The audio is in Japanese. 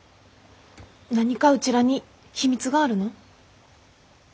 何かうちらに秘密があるの？